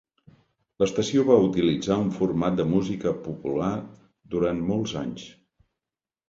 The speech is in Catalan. L'estació va utilitzar un format de música popular durant molts anys.